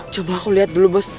coba aku lihat dulu bos